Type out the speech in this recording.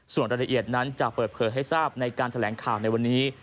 ส่วนรายละเอียดนั้นจะเปิดเผยให้ทราบในการแถลงข่าวในวันนี้